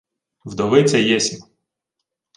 — Вдовиця єсмь.